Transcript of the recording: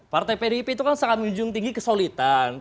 partai pdip itu kan sangat menunjung tinggi kesolitan